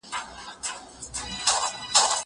زه به لوبه کړې وي!!